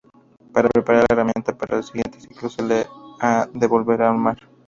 Para preparar la herramienta para el siguiente ciclo se ha de volver a armar.